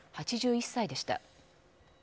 ８１歳でした。